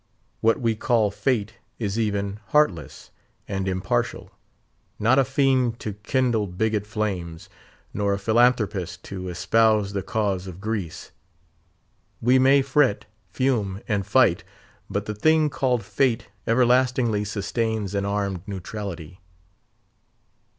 What we call Fate is even, heartless, and impartial; not a fiend to kindle bigot flames, nor a philanthropist to espouse the cause of Greece. We may fret, fume, and fight; but the thing called Fate everlastingly sustains an armed neutrality.